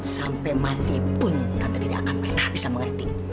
sampai mati pun kami tidak akan pernah bisa mengerti